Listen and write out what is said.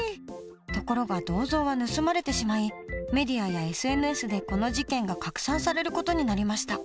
ところが銅像は盗まれてしまいメディアやＳＮＳでこの事件が拡散される事になりました。